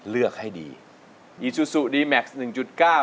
เลือกให้ดีอีซูซูดีแม็กซ์หนึ่งจุดเก้า